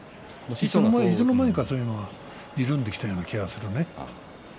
いつの間にか緩んできたような気がするね。